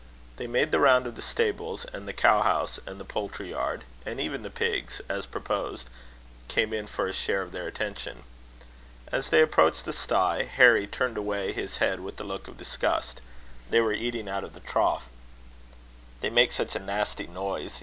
They made the round of the stables, and the cow house, and the poultry yard; and even the pigs, as proposed, came in for a share of their attention. As they approached the stye, Harry turned away his head with a look of disgust. They were eating out of the trough. "They make such a nasty noise!"